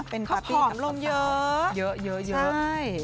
เขาผอมลงเยอะเยอะใช่